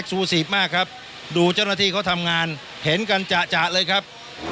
ซูซีฟมากครับดูเจ้าหน้าที่เขาทำงานเห็นกันจะเลยครับ